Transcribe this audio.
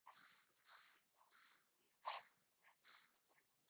Está estructurado en dos unidades: El Pleno y la Secretaría.